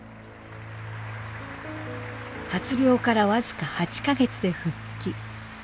発病から僅か８か月で復帰。